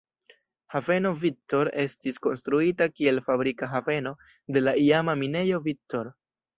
Haveno Victor estis konstruita kiel fabrika haveno de la iama Minejo Victor.